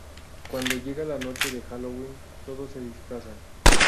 Cuando llega la noche de Halloween, todos se disfrazan.